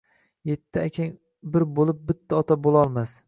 Etti akang bir bulib bitta ota bulolmas